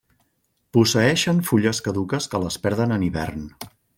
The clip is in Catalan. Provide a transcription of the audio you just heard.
Posseeixen fulles caduques que les perden en hivern.